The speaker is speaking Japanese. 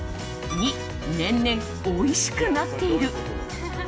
２、年々、おいしくなっている。